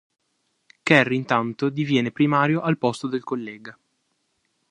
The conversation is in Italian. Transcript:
Kerry intanto diviene primario al posto del collega.